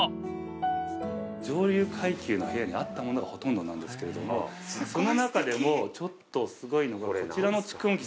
上流階級の部屋にあったものがほとんどなんですけれどもその中でもちょっとすごいのがこちらの蓄音機。